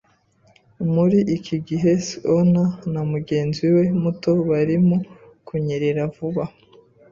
Muri iki gihe, schooner na mugenzi we muto barimo kunyerera vuba